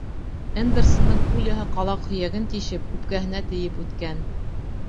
Эндерсондың пуляһы ҡалаҡ һөйәген тишеп, үпкәһенә тейеп үткән.